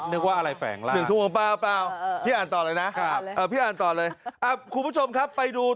นึกว่าอะไรแฝงล่ะพี่อ่านต่อเลยนะคุณผู้ชมครับไปดู